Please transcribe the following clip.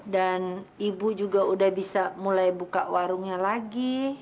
dan ibu juga udah bisa mulai buka warungnya lagi